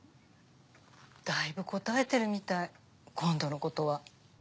だいぶ堪えてるみたい今度のことは。